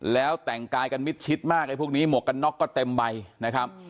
แล้วแต่งกายกันมิดชิดมากไอ้พวกนี้หมวกกันน็อกก็เต็มใบนะครับ